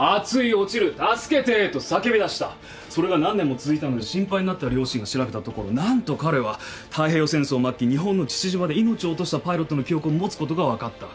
それが何年も続いたので心配になった両親が調べたところ何と彼は太平洋戦争末期日本の父島で命を落としたパイロットの記憶を持つことが分かった。